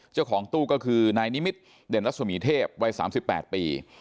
เจ้าของตู้ก็คือนายนิมิตรเด่นรัศมีเทพวัย๓๘ปี